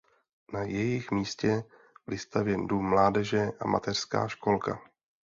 Na jejich místě vystavěn dům mládeže a mateřská školka.